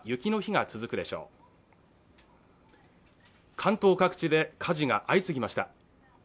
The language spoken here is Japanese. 関東各地で火事が相次ぎました。